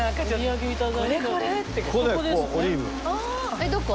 えっどこ？